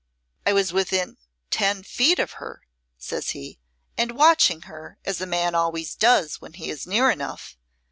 "I was within ten feet of her," says he, "and watching her as a man always does when he is near enough.